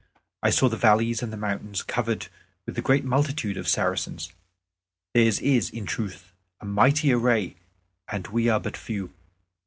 I saw the valleys and the mountains covered with the great multitude of Saracens. Theirs is, in truth, a mighty array, and we are but few."